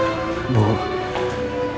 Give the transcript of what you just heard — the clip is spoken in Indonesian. ibu istirahat ya